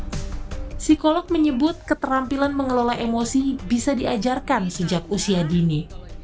psikolog menyebut keterampilan mengelola emosi bisa diajarkan sejak usia dini